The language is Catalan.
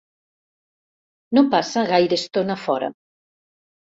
No passa gaire estona fora.